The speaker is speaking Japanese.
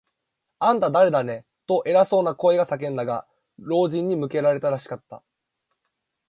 「あんた、だれだね？」と、偉そうな声が叫んだが、老人に向けられたらしかった。